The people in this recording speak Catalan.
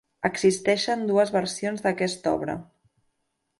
Existeixen dues versions d'aquesta obra.